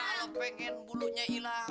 kalau pengen bulunya hilang